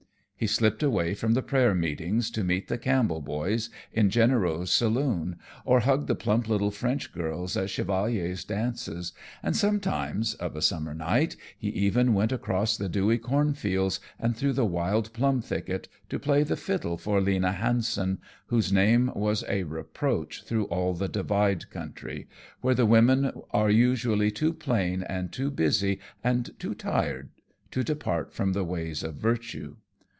He slipped away from the prayer meetings to meet the Campbell boys in Genereau's saloon, or hug the plump little French girls at Chevalier's dances, and sometimes, of a summer night, he even went across the dewy cornfields and through the wild plum thicket to play the fiddle for Lena Hanson, whose name was a reproach through all the Divide country, where the women are usually too plain and too busy and too tired to depart from the ways of virtue.